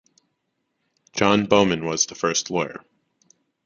John Bowman was the first lawyer.